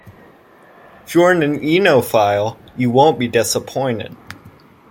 If you're an oenophile you won't be disappointed.